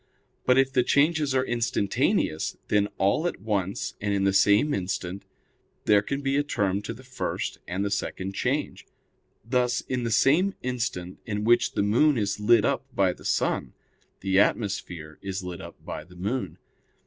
But if the changes are instantaneous, then all at once and in the same instant there can be a term to the first and the second change; thus in the same instant in which the moon is lit up by the sun, the atmosphere is lit up by the moon.